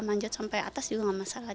manjat sampai atas juga nggak masalah